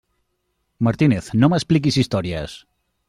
Martínez, no m'expliquis històries!